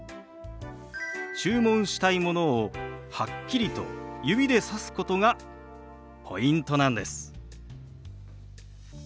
注文したいものをはっきりと指でさすことがポイントなんです。